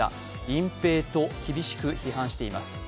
隠蔽と厳しく批判しています。